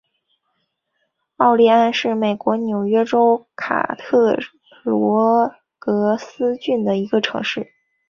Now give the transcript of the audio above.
奥利安是美国纽约州卡特罗格斯郡的一个城市。